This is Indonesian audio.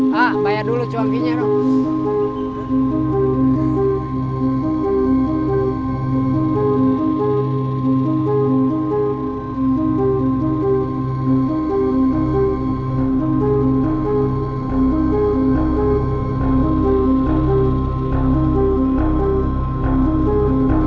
hah bayar dulu cuakinya dong